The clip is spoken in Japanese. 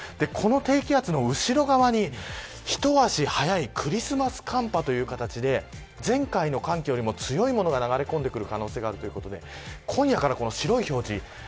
この低気圧の後ろ側に一足早いクリスマス寒波という形で前回の寒気よりも強いものが流れ込む可能性があるということで今夜から白い表示